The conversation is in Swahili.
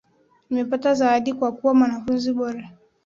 Nimepata zawadi kwa kuwa mwanafunzi bora